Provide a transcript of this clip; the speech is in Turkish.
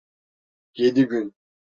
Yedi gün.